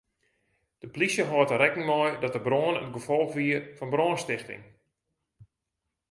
De plysje hâldt der rekken mei dat de brân it gefolch wie fan brânstichting.